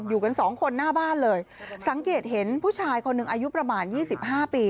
อยู่กันสองคนหน้าบ้านเลยสังเกตเห็นผู้ชายคนหนึ่งอายุประมาณยี่สิบห้าปี